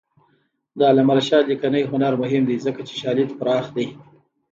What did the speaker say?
د علامه رشاد لیکنی هنر مهم دی ځکه چې شالید پراخ دی.